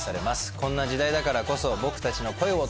こんな時代だからこそ僕たちの声を届けたい。